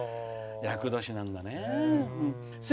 厄年なんだね。